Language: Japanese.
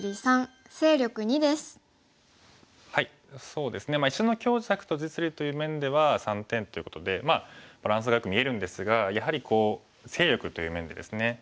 そうですね石の強弱と実利という面では３点ということでまあバランスがよく見えるんですがやはり勢力という面でですね